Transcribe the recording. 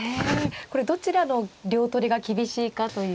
これどちらの両取りが厳しいかという。